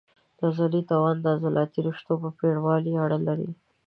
د عضلې توان د عضلاتي رشتو په پېړوالي اړه لري.